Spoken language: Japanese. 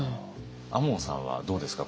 亞門さんはどうですか？